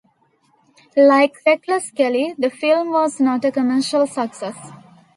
Like "Reckless Kelly", the film was not a commercial success.